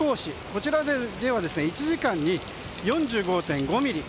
こちらでは１時間に４５．５ミリ。